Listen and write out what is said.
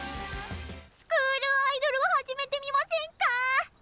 スクールアイドルを始めてみませんか？